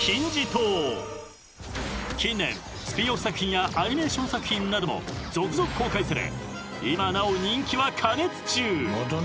［近年スピンオフ作品やアニメーション作品なども続々公開され今なお人気は過熱中！］